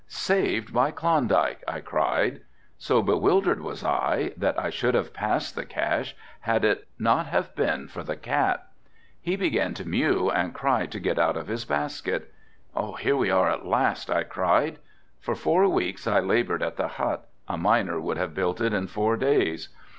"Saved by Klondike!" I cried. So bewildered was I that I should have passed the cache had it not have been for the cat. He began to mew and try to get out of his basket. "Here we are at last," I cried. For four weeks I labored at the hut, a miner would have built it in four days.